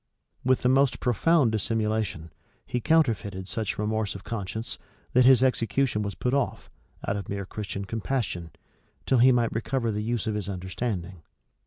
With the most profound dissimulation, he counterfeited such remorse of conscience, that his execution was put off, out of mere Christian compassion, till he might recover the use of his understanding.